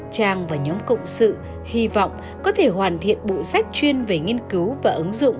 trang và nhóm cộng sự hy vọng có thể hoàn thiện bộ sách chuyên về nghiên cứu và ứng dụng